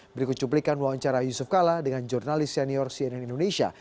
berikut cuplikan wawancara yusuf kala dengan jurnalis senior cnn indonesia